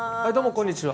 こんにちは。